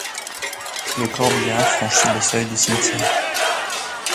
Le corbillard franchit le seuil du cimetière.